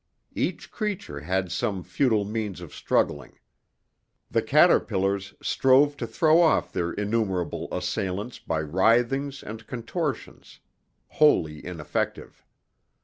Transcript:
Each creature had some futile means of struggling. The caterpillars strove to throw off their innumerable assailants by writhings and contortions, wholly ineffective.